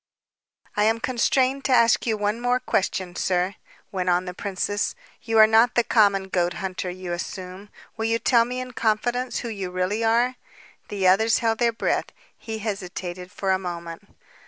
"I am constrained to ask you one question, sir," went on the princess. "You are not the common goat hunter you assume. Will you tell me in confidence who you really are?" The others held their breath. He hesitated for a moment.